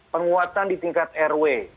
penguatan di tingkat rw